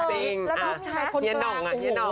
แล้วพี่ชายคนเบอร์แรงโอ้โฮ